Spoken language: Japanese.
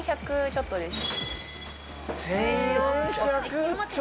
１４００ちょっとです。